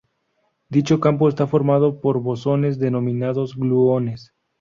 Dicho campo está formado por bosones denominados gluones.